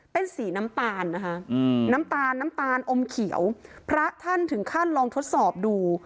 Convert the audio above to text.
เป็นสีน้ำตาลนะคะน้ำตาลน้ำตาลอมเขียวพระท่านถึงขั้นลองทดสอบดู